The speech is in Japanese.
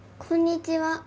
こんにちは。